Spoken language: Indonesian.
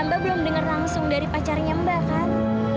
mba belum denger langsung dari pacarnya mba kan